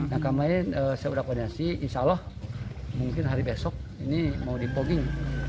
yang kemarin saya sudah koordinasi insya allah mungkin hari besok ini mau dipogging